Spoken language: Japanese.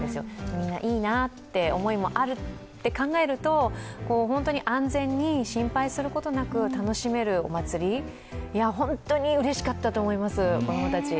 みんないいなって思いもあるって考えると、本当に安全に、心配することなく楽しめるお祭り、本当にうれしかったと思います、子供たち。